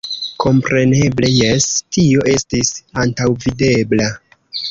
Kompreneble jes, tio estis antaŭvidebla.